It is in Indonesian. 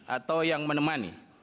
atau yang menemani